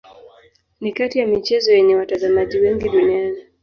Ni kati ya michezo yenye watazamaji wengi duniani.